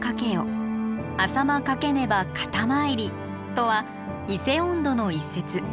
とは「伊勢音頭」の一節。